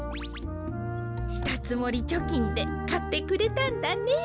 したつもりちょきんでかってくれたんだね。